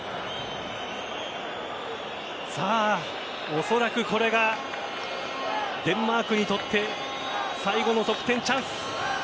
おそらくこれがデンマークにとって最後の得点チャンス。